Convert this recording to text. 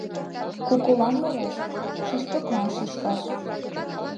Кукулан мураш, шӱшпыклан шӱшкаш